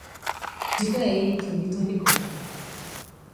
Diga a ele que o Vitor ligou.